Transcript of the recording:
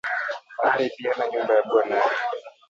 Ari piana nyumba ya bwana yake